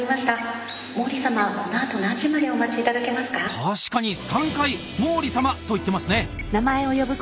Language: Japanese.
確かに３回「毛利様」と言ってますね。